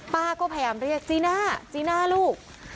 ป้าก็พยายามเรียกจีน่าจีน่าลูก